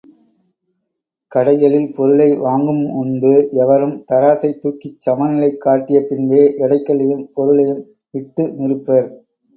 கடைகளில் பொருளை வாங்கும் முன்பு, எவரும் தராசைத் துக்கிச் சமநிலை காட்டிய பின்பே எடைக்கல்லையும் பொருளையும் இட்டு நிறுப்பர்.